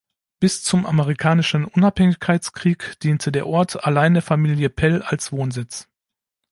Bis zum Amerikanischen Unabhängigkeitskrieg diente der Ort allein der Familie Pell als Wohnsitz.